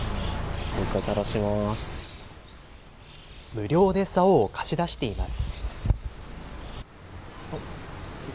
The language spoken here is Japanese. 無料でさおを貸し出しています。